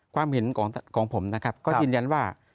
ความเห็นของผมนะครับก็ยืนยันว่า